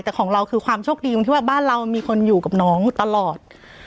แต่ของเราคือความโชคดีตรงที่ว่าบ้านเรามีคนอยู่กับน้องตลอด